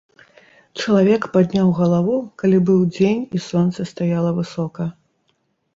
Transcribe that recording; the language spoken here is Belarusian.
Чалавек падняў галаву, калі быў дзень і сонца стаяла высока.